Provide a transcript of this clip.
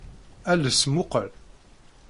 Ales mmuqqel.